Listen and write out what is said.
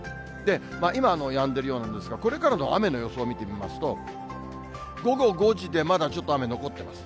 今、やんでるようなんですが、これからの雨の予想を見てみますと、午後５時でまだちょっと雨残ってます。